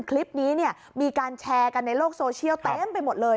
คลิปนี้มีการแชร์กันในโลกโซเชียลเต็มไปหมดเลย